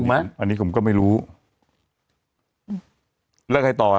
ไหมอันนี้ผมก็ไม่รู้แล้วใครต่ออ่ะ